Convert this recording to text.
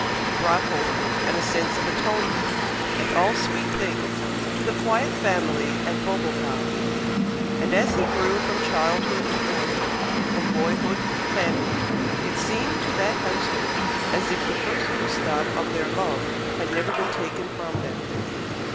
He brought hope, and a sense of atonement, and all sweet things, to the quiet family at Beaubocage; and as he grew from childhood to boyhood, from boyhood to manhood, it seemed to that household as if the first Gustave of their love had never been taken from them.